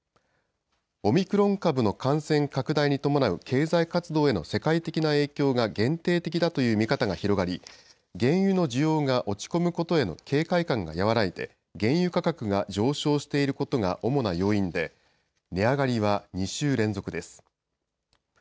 オミクロン株の感染拡大に伴う経済活動への世界的な影響が限定的だという見方が広がり原油の需要が落ち込むことへの警戒感が和らいで原油価格が上昇していることが主な要因で値上がりは２週連続です。